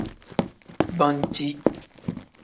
Banci.